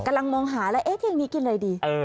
กำลังมองหาแล้วเอ๊ะที่มีกินอะไรดี